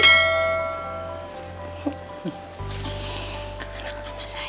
ya udah mama doain